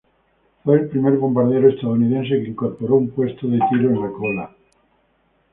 Fue el primer bombardero estadounidense que incorporó un puesto de tiro en la cola.